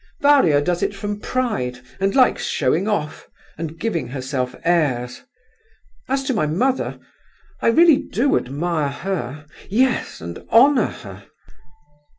"Varia does it from pride, and likes showing off, and giving herself airs. As to my mother, I really do admire her—yes, and honour her.